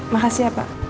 makasih ya pak